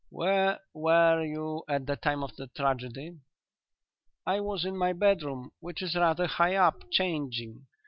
"Where were you at the time of the tragedy?" "I was in my bedroom, which is rather high up, changing.